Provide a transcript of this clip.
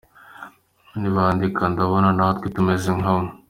Ntibandika: Ndabona na twe tumeze nka mwe.